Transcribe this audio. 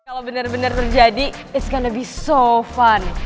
kalau bener bener terjadi it's gonna be so fun